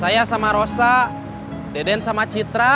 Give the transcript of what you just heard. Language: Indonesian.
itu apaan ini